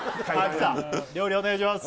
きた料理お願いします